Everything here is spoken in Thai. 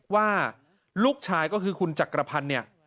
ว่าลูกชายก็คือคุณจักรพันธ์เนี่ย